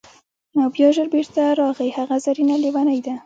او بیا ژر بیرته راغی: هغه زرینه لیونۍ ده!